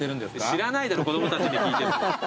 知らないだろ子供たちに聞いても。